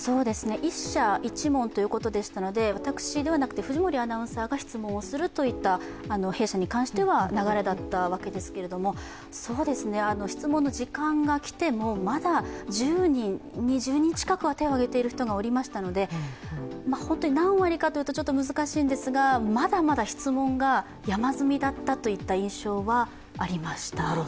１社１問ということでしたので私ではなくて藤森アナウンサーが質問をするという弊社に関しては流れだったわけですけど、質問の時間が来てもまだ１０人、２０人近くは手を挙げている人がいましたので何割かというと難しいんですがまだまだ質問が山積みだったといった印象はありました。